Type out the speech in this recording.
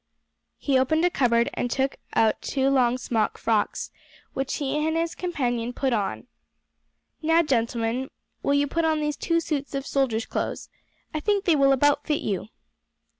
He opened a cupboard and took our two long smock frocks, which he and his companion put on. "Now, gentlemen, will you put on these two suits of soldiers' clothes. I think they will about fit you."